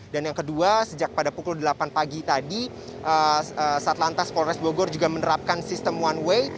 dan yang kedua sejak pada pukul delapan pagi tadi satuan lantas polres bogor juga menerapkan sistem one way